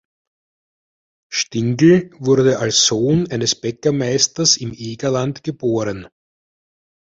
Stingl wurde als Sohn eines Bäckermeisters im Egerland geboren.